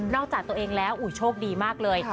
จากตัวเองแล้วโชคดีมากเลย